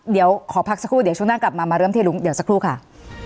เดี๋ยวขอพักสักครู่เดี๋ยวช่วงหน้ากลับมามาเริ่มที่ลุงเดี๋ยวสักครู่ค่ะ